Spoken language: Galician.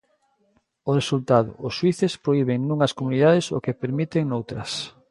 O resultado: os xuíces prohiben nunhas comunidades o que permiten noutras.